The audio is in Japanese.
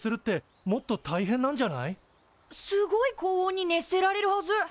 すごい高温に熱せられるはず！